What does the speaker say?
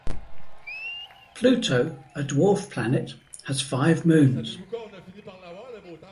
Pluto, a dwarf planet, has five moons.